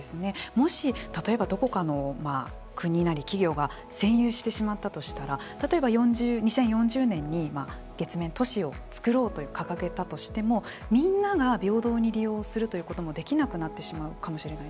もし例えばどこかの国なり企業が占有してしまったとしたら例えば２０４０年に月面都市を作ろうと掲げたとしてもみんなが平等に利用するということもできなくなってしまうかもしれないですよね。